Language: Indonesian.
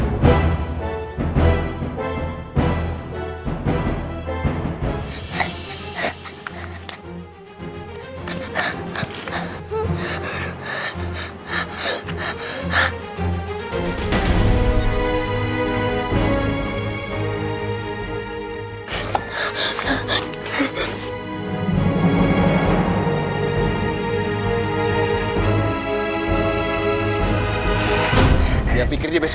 itu dia seperti apa nanti